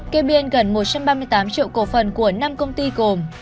kê biên gần một trăm ba mươi tám triệu cổ phần của năm công ty gồm